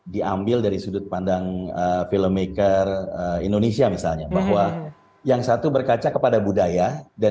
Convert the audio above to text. diambil dari sudut pandang filmmaker indonesia misalnya bahwa yang satu berkaca kepada budaya dan